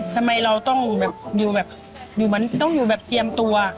ทำไมเราต้องอยู่แบบเตรียมตัว